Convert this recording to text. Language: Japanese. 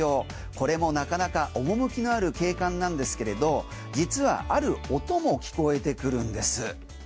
これもなかなか趣のある景観なんですけれど実はある音も聞こえてくるんです。